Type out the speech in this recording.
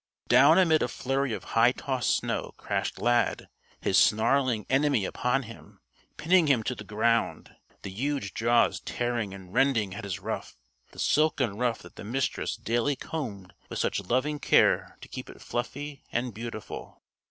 Down amid a flurry of high tossed snow, crashed Lad, his snarling enemy upon him, pinning him to the ground, the huge jaws tearing and rending at his ruff the silken ruff that the Mistress daily combed with such loving care to keep it fluffy and beautiful.